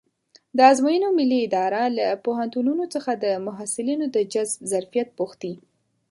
د ازموینو ملي اداره له پوهنتونونو څخه د محصلینو د جذب ظرفیت پوښتي.